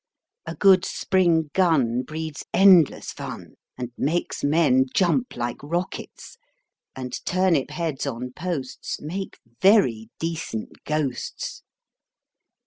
A good spring gun breeds endless fun, and makes men jump like rockets â And turnip heads on posts Make very decent ghosts.